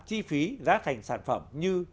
chi phí giá thành sản phẩm như